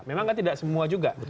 memang tidak semua juga